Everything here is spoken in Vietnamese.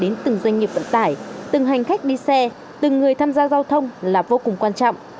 đến từng doanh nghiệp vận tải từng hành khách đi xe từng người tham gia giao thông là vô cùng quan trọng